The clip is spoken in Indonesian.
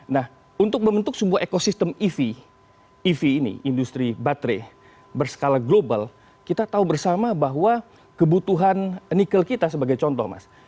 nah untuk membentuk sebuah ekosistem ev ev ini industri baterai berskala global kita tahu bersama bahwa kebutuhan nikel kita sebagai contoh mas